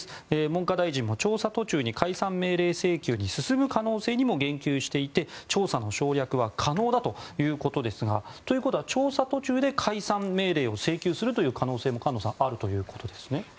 文科大臣も調査途中に解散命令請求に進む可能性にも言及していて調査の省略は可能だということですがということは調査途中で解散命令を請求する可能性も菅野さんあるということですね？